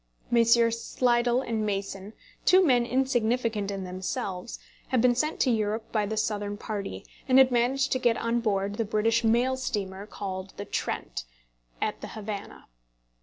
Messrs. Slidell and Mason, two men insignificant in themselves, had been sent to Europe by the Southern party, and had managed to get on board the British mail steamer called "The Trent," at the Havannah.